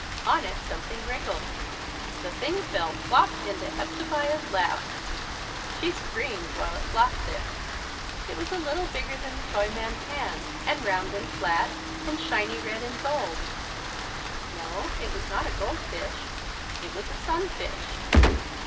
On it something wriggled. The thing fell plop into Hepzebiah's lap. She screamed while it flopped there. It was a little bigger than the Toyman's hand and round and flat and shiny red and gold. No, it was not a goldfish. It was a sunfish.